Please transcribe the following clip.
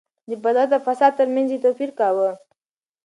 د بدعت او فساد ترمنځ يې توپير کاوه.